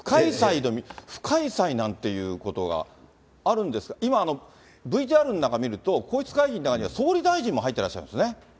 不開催なんていうことがあるんですか、今、ＶＴＲの中見ると、皇室会議の中には総理大臣も入ってらっしゃるんですね。